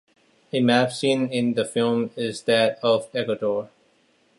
A map seen in the film is that of Ecuador.